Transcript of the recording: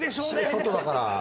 外だから。